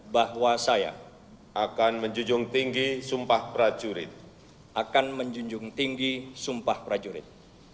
bahwa saya akan menjunjung tinggi sumpah prajurit